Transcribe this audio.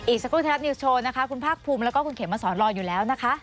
สักครู่ไทยรัฐนิวส์โชว์นะคะคุณภาคภูมิแล้วก็คุณเขมมาสอนรออยู่แล้วนะคะ